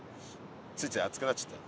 ついつい熱くなっちゃった。